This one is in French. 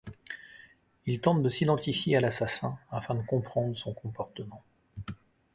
Il tente de s'identifier à l'assassin afin de comprendre son comportement.